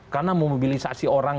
karena memobilisasi orang